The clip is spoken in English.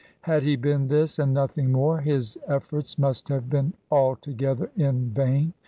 Had he been this, and nothing more, his efforts must have been altogether in vain.